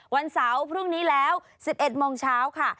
วันเสาร์พรุ่งนี้แล้ว๑๑โมงเช้าค่ะ